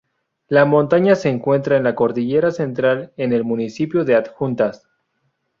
La montaña se encuentra en la Cordillera Central, en el municipio de Adjuntas.